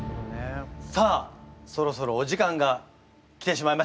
さあそろそろお時間が来てしまいました。